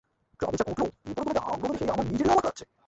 ক্লাবে যা ঘটল, এরপরও তোমাদের আগ্রহ দেখে আমার নিজেরই অবাক লাগছে!